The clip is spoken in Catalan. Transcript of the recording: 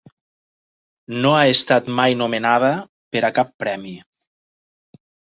No ha estat mai nomenada per a cap premi.